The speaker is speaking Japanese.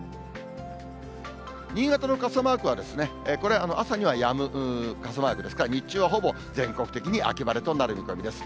新潟の傘マークはこれ、朝にはやむ傘マークですから、日中はほぼ全国的に秋晴れとなる見込みです。